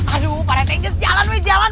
aduh pak rt kes jalan weh jalan